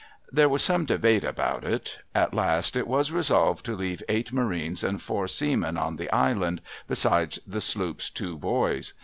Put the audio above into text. There was some debate about it. At last, it was resolved to leave eight Marines and four seamen on the Island, besides the sloop's two boys.